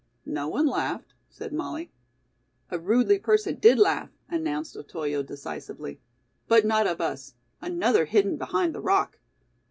"No one laughed," said Molly. "A rudely person did laugh," announced Otoyo decisively. "But not of us. Another hidden behind the rock."